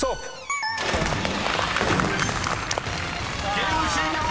［ゲーム終了！